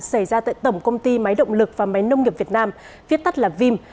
xảy ra tại tổng công ty máy động lực và máy nông nghiệp việt nam viết tắt là vim